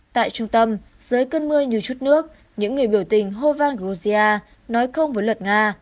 tại trung tâm giới cơn mưa như chút nước những người biểu tình hô vang gruzia nói không với luật nga